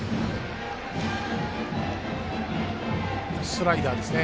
スライダーですね。